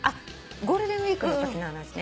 ゴールデンウィークのときの話ね。